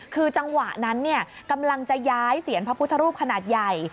คือจังหวะนั้นกำลังจะย้ายเสียนพระพุทธรูปขนาดใหญ่